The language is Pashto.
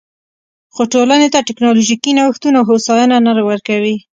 خو ټولنې ته ټکنالوژیکي نوښتونه او هوساینه نه ورکوي